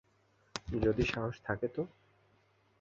যদি সাহস থাকে তো।